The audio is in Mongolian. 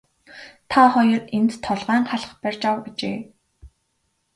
Та хоёр энд толгойн халх барьж ав гэжээ.